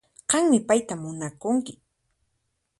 Qanmi payta munakunki